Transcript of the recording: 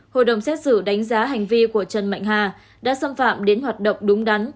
công xét xử đánh giá hành vi của trần mạnh hà đã xâm phạm đến hoạt động đúng đắn